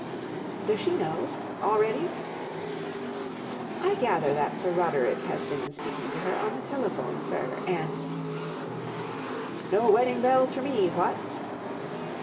■' Does she know ? Already ?"■' 1 gather that Sir Roderick has been speaking 1o heron the telephone, sir, and M M No wedding bells for me, what